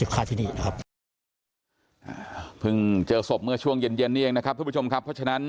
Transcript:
เฮ้อพึ่งเจอสบเมื่อช่วงเย็นเยนเนี้ยนะคะพระพุทธชมครับ